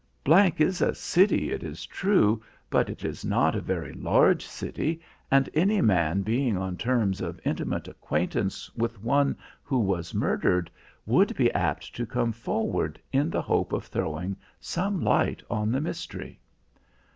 G is a city, it is true, but it is not a very large city, and any man being on terms of intimate acquaintance with one who was murdered would be apt to come forward in the hope of throwing some light on the mystery."